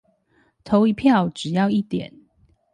投一票只要一點